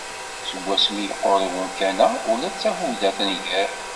Seg wasmi yeqqur umkan-a, ula d tabuda tenger